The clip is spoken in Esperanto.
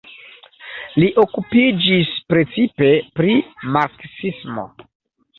Li okupiĝis precipe pri marksismo.